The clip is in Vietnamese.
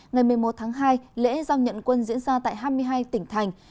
ngày một mươi một tháng hai lễ giao nhận quân diễn ra tại hai mươi hai tỉnh thành